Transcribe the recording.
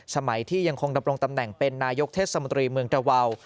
สมัยที่ยังคงดำรงตำแหน่งเป็นนายกเทศมนตรีเมืองตะวาว